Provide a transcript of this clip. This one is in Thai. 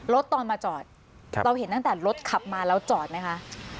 ตอนมาจอดเราเห็นตั้งแต่รถขับมาแล้วจอดไหมคะ